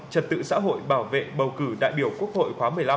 trật tự xã hội bảo vệ bầu cử đại biểu quốc hội khóa một mươi năm